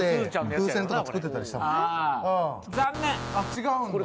違うんだ。